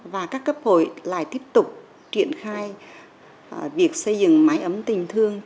và các cấp hội lại tiếp tục triển khai việc xây dựng máy ấm tình thương